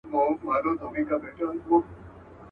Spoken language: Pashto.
په اتڼ به سي ور ګډ د څڼورو.